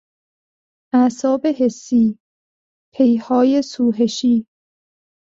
اعصاب حسی، پیهای سوهشی